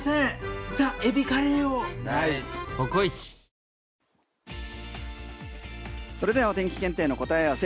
メロメロそれではお天気検定の答え合わせ